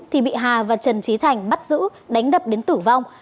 thì bị hà và trần trí thành bắt giữ đánh đập đến tử vong